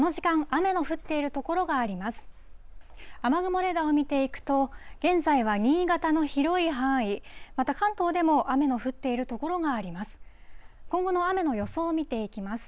雨雲レーダーを見ていくと、現在は新潟の広い範囲、また関東でも雨の降っている所があります。